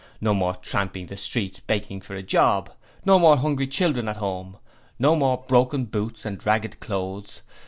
No more tramping the streets begging for a job! No more hungry children at home. No more broken boots and ragged clothes.